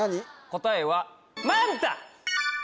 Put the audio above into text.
答えはマンタ！